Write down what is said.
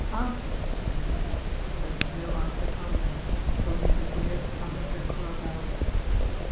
Answer me! But no answer comes only the weird sound of your collar bells.